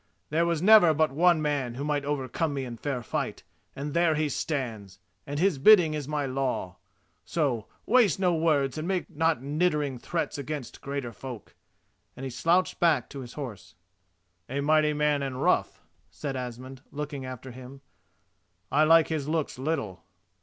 There was never but one man who might overcome me in fair fight and there he stands, and his bidding is my law. So waste no words and make not niddering threats against greater folk," and he slouched back to his horse. "A mighty man and a rough," said Asmund, looking after him; "I like his looks little."